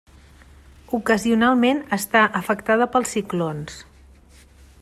Ocasionalment està afectada per ciclons.